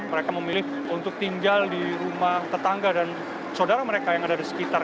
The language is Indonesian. mereka memilih untuk tinggal di rumah tetangga dan saudara mereka yang ada di sekitar